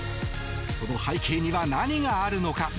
その背景には何があるのか。